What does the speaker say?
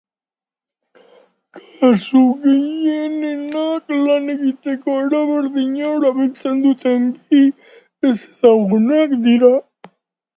Kasu gehienenak lan egiteko era berdina erabiltzen duten bi ezezagunenak dira.